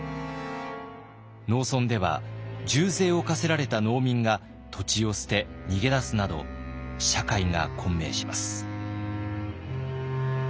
農村では重税を課せられた農民が土地を捨て逃げ出すなど社会が混迷します。